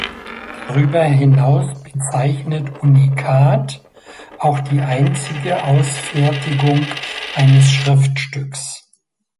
Darüber hinaus bezeichnet "Unikat" auch die einzige Ausfertigung eines Schriftstücks.